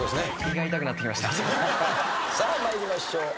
さあ参りましょう。